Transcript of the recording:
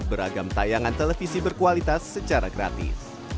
beragam tayangan televisi berkualitas secara gratis